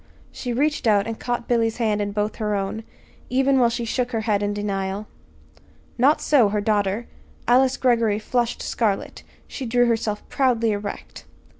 she reached out and caught Billy's hand in both her own even while she shook her head in denial. Not so her daughter. Alice Greggory flushed scarlet. She drew herself proudly erect.